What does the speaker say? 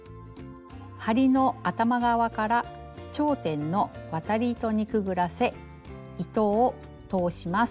針の頭側から頂点の渡り糸にくぐらせ糸を通します。